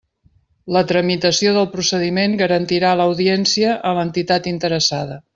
La tramitació del procediment garantirà l'audiència a l'entitat interessada.